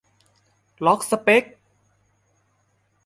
"ล็อกสเป็ค" ?